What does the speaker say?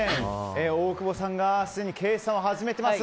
大久保さんが計算を始めています。